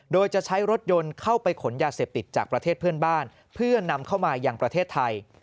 โดยจะใช้รถยนต์เข้าไปขนยาเสพติดจากประเทศเพื่อนบ้านเพื่อนำเข้ามายังประเทศไทย